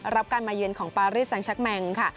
รับการมาเยือนของปารีสแซงชักแมงค่ะ